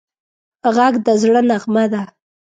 غږ د زړه نغمه ده